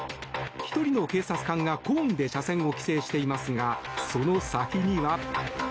１人の警察官がコーンで車線を規制していますがその先には。